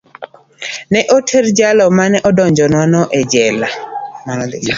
Ne oter jal ma ne odonjnwano e jela.